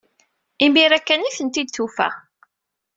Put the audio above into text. Imir-a kan ay tent-id-tufa.